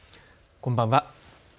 こんばんは。